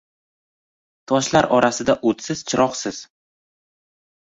Toshlar orasida o’tsiz, chiroqsiz.